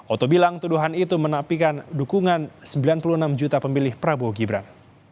oto bilang tuduhan itu menapikan dukungan sembilan puluh enam juta pemilih prabowo gibran